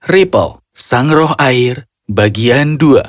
ripple sang roh air bagian dua